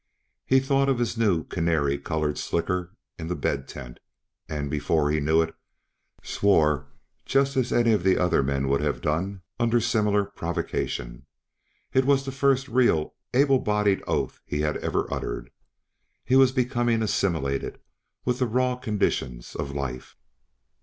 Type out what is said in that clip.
He thought of his new canary colored slicker in the bed tent, and before he knew it swore just as any of the other men would have done under similar provocation; it was the first real, able bodied oath he had ever uttered. He was becoming assimilated with the raw conditions of life.